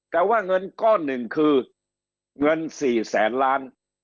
แต่ว่าเงินก้อนหนึ่งคือเงิน๔แสนล้าน